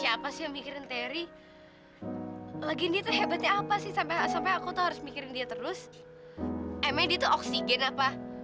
emangnya dia tuh oksigen apa